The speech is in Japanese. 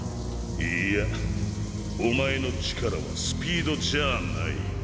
いいやお前の力はスピードじゃあない。